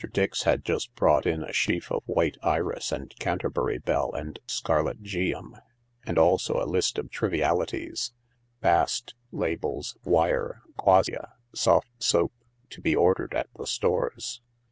Dix had just brought in a sheaf of white iris and Canterbury bell and scarlet geum, and also a list of trivialities — bast, labels, wire, quassia, soft soap — to be ordered at the Stores.